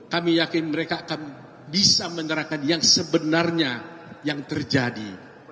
kami yakin mereka akan bisa menyerahkan yang sebenarnya yang terjadi